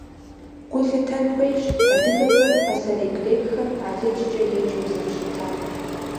Гу лъытэн хуейщ адыгэхэр пасэрей грекхэм алыджкӀэ еджэу зэрыщытам.